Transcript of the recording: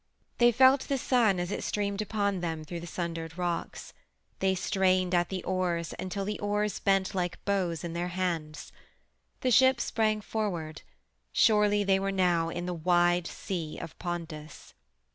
They felt the sun as it streamed upon them through the sundered rocks. They strained at the oars until the oars bent like bows in their hands. The ship sprang forward. Surely they were now in the wide Sea of Pontus!